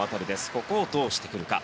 ここをどうして来るか。